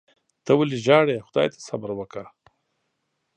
ته ولي ژاړې . خدای ته صبر وکړه